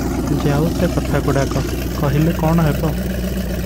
ଯାଉ ସେ କଥାଗୁଡ଼ାକ - କହିଲେ କଣ ହେବ?